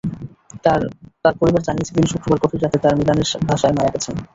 তাঁর পরিবার জানিয়েছে, তিনি শুক্রবার গভীর রাতে তাঁর মিলানের বাসায় মারা গেছেন।